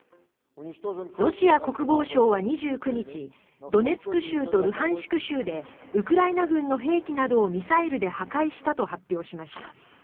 ロシア国防省は２９日ドネツク州とルハンシク州でウクライナ軍の兵器などをミサイルで破壊したと発表しました。